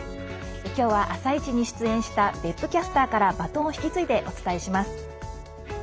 今日は「あさイチ」に出演した別府キャスターからバトンを引き継いでお伝えします。